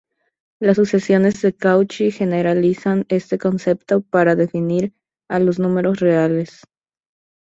Las sucesiones de Cauchy generalizan este concepto para definir a los números reales.